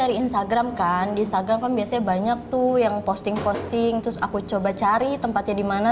instagram kan biasanya banyak tuh yang posting posting terus aku coba cari tempatnya di mana